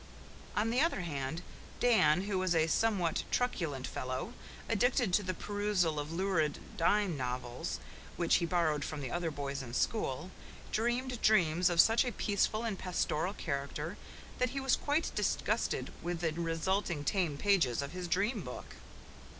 On the other hand, Dan, who was a somewhat truculent fellow, addicted to the perusal of lurid dime novels which he borrowed from the other boys in school, dreamed dreams of such a peaceful and pastoral character that he was quite disgusted with the resulting tame pages of his dream book.